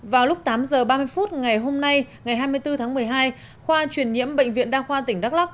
vào lúc tám giờ ba mươi phút ngày hôm nay ngày hai mươi bốn tháng một mươi hai khoa truyền nhiễm bệnh viện đa khoa tỉnh đắk lóc